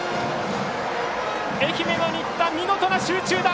愛媛の新田、見事な集中打！